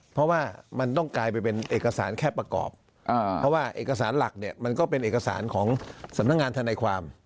เพราะว่ามันต้องกลายไปเป็นเอกสารแค่ประกอบเพราะว่าเอกสารหลักเนี่ยมันก็เป็นเอกสารของสำนักงานธนายความ